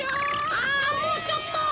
あもうちょっと。